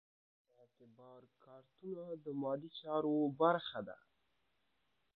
اعتبار کارتونه د مالي چارو برخه ده.